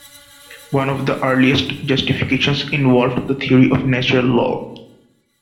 One of the earliest justifications involved the theory of natural law.